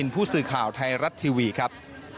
ผู้สื่อข่าวไทยรัฐทีวีครับ